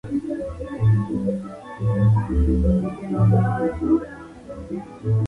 Se destacó por sus colaboraciones en temas científicos, filosóficos y otros.